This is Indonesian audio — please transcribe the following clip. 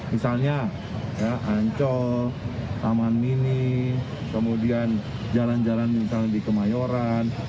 misalnya ancol taman mini kemudian jalan jalan misalnya di kemayoran